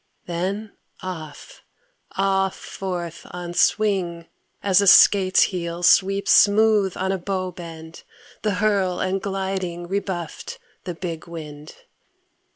then off, off forth on swing, As a skate's heel sweeps smooth on a bow bend: the hurl and gliding Rebuffed the big wind.